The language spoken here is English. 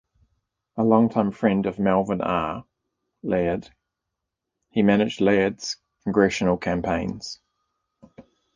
A longtime friend of Melvin R. Laird, he managed Laird's congressional campaigns.